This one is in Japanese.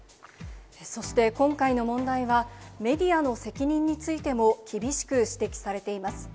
そして今回の問題は、メディアの責任についても厳しく指摘されています。